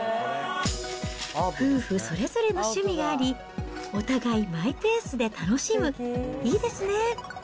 夫婦それぞれの趣味があり、お互いマイペースで楽しむ、いいですね。